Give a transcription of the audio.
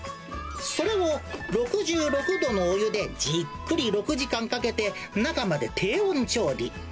それを６６度のお湯でじっくり６時間かけて中まで低温調理。